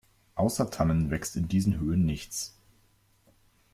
Außer Tannen wächst in diesen Höhen nichts.